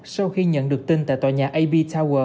sau khi nhận được tin tại tòa nhà ab tower